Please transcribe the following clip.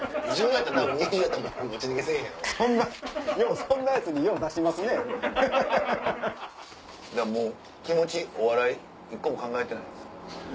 だからもう気持ちお笑い一個も考えてないあいつ。